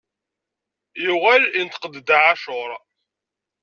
Yuɣal inṭeq-d Dda ɛacur.